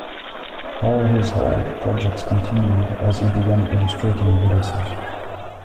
All his old projects continued and he began illustrating "Ulysses".